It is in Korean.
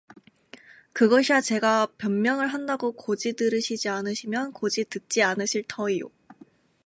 그것야 제가 변명을 한다고 곧이들으시지 않으시면 곧이 듣지 않으실 터이오.